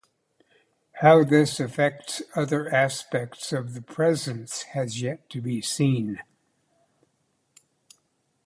How this affects other aspects of the Presence has yet to be seen.